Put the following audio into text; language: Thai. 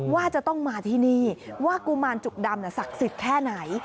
ว่าจะต้องมาที่นี่ว่ากุมารจุกดำศักดิ์สิทธิ์แค่ไหน